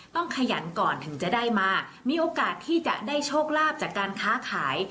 ขยันก่อนถึงจะได้มามีโอกาสที่จะได้โชคลาภจากการค้าขาย